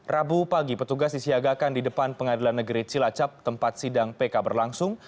rabu pagi petugas disiagakan di depan pengadilan negeri cilacap tempat sidang pk berlangsung